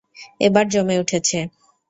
এবার জমে উঠেছে।